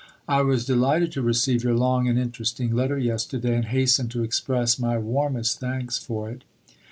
I was delighted to receive your long and interesting letter yesterday, and hasten to express my warmest thanks for it.